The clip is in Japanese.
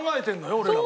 俺らは。